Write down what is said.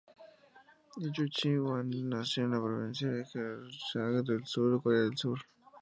Yu Chi-hwan nació en la provincia de Gyeongsang del Sur, Corea del Sur.